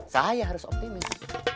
saya harus optimis